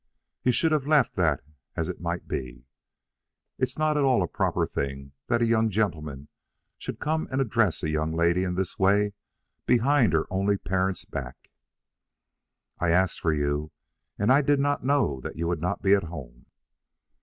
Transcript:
"You should have left that as it might be. It is not at all a proper thing that a young gentleman should come and address a young lady in this way behind her only parent's back." "I asked for you, and I did not know that you would not be at home."